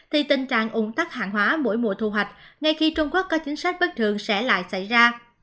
thì tình trạng ủng tắc hàng hóa mỗi mùa thu hoạch ngay khi trung quốc có chính sách bất thường sẽ lại xảy ra